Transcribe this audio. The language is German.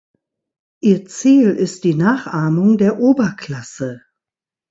Ihr Ziel ist die Nachahmung der Oberklasse.